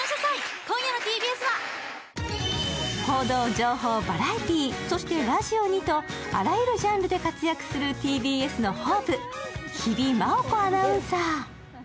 そんなキャンプ企画に参加するのは報道、情報、バラエティーそしてラジオにとあらゆるジャンルで活躍するＴＢＳのホープ、日比麻音子アナウンサー。